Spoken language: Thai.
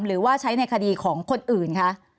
หรือว่าใช้ในคดีของคนอื่นคะ